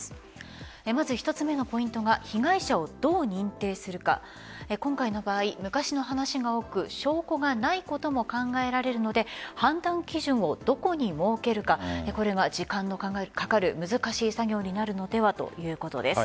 １つめのポイントが被害者をどう認定するか今回の場合、昔の話が多く証拠がないことも考えられるので判断基準をどこに設けるかこれは時間のかかる難しい作業になるのではということです。